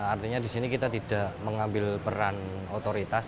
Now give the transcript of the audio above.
artinya di sini kita tidak mengambil peran otoritas